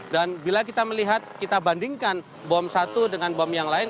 dan bila kita melihat kita bandingkan bom satu dengan bom yang lain